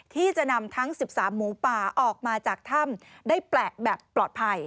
ที่จะนำทั้ง๑๓หมูป่าออกมาจากถ้ำได้แปลกแบบปลอดภัย